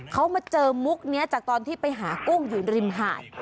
เขามาเจอมุกนี้จากตอนที่ไปหากุ้งอยู่ริมหาด